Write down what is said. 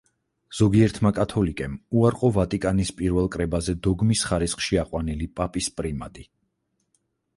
ზოგიერთმა კათოლიკემ უარყო ვატიკანის პირველ კრებაზე დოგმის ხარისხში აყვანილი პაპის პრიმატი.